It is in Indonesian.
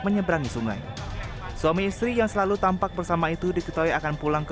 menyeberangi sungai suami istri yang selalu tampak bersama itu diketahui akan pulang ke